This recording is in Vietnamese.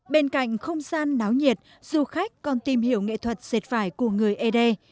bên cạnh không gian náo nhiệt du khách còn tìm hiểu nghệ thuật diệt vải của người ấy đê